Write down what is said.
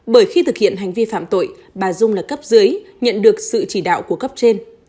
bởi khi thực hiện hành vi phạm tội bà dung là cấp dưới nhận được sự chỉ đạo của cấp trên